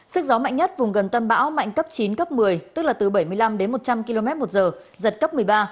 sức gió mạnh nhất vùng gần tâm bão mạnh cấp chín cấp một mươi tức là từ bảy mươi năm đến một trăm linh km một giờ giật cấp một mươi ba